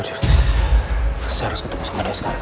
saya harus ketemu sama ada sekarang